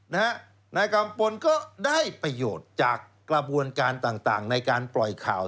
นายกัมพลก็ได้ประโยชน์จากกระบวนการต่างในการปล่อยข่าว